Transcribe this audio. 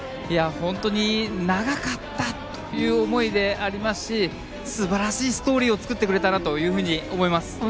本当に長かったという思いでもありますし素晴らしいストーリーを作ってくれたなと思います。